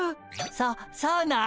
そそうなん？